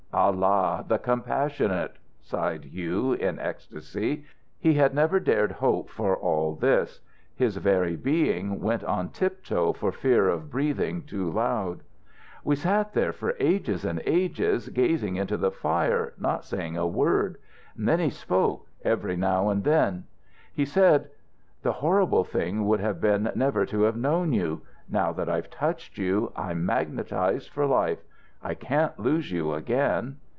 '" "Allah, the compassionate!" sighed Hugh, in ecstasy. He had never dared hope for all this. His very being went on tiptoe for fear of breathing too loud. "We sat there for ages and ages, gazing into the fire, not saying a word. Then he spoke ... every now and then. He said: "'The horrible thing would have been never to have known you. Now that I've touched you I'm magnetized for life. I can't lose you again.'